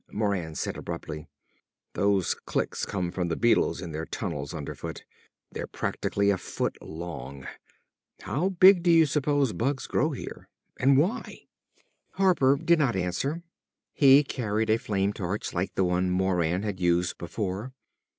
Moran said abruptly; "Those clicks come from the beetles in their tunnels underfoot. They're practically a foot long. How big do you suppose bugs grow here, and why?" Harper did not answer. He carried a flame torch like the one Moran had used before.